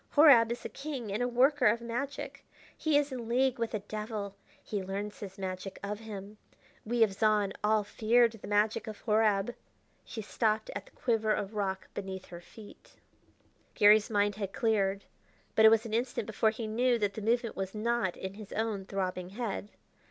Horab is a king and a worker of magic; he is in league with a devil; he learns his magic of him. We of Zahn, all feared the magic of Horab " She stopped at the quiver of rock beneath their feet. Garry's mind had cleared, but it was an instant before he knew that the movement was not in his own throbbing head.